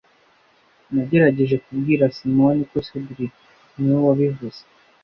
Nagerageje kubwira Simoni ko cedric niwe wabivuze